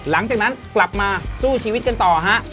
หลังจากนั้นกลับมาสู้ชีวิตกันต่อฮะ